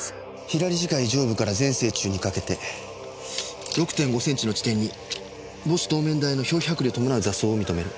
左耳介上部から前正中にかけて６．５センチの地点に拇指頭面大の表皮剥離を伴う挫創を認める。